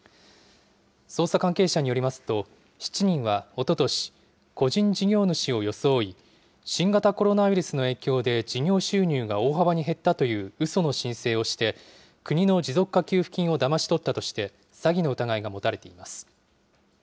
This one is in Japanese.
捜査関係者によりますと、７人はおととし、個人事業主を装い、新型コロナウイルスの影響で事業収入が大幅に減ったといううその申請をして、国の持続化給付金をだまし取ったとして、詐欺の疑いが持たれています。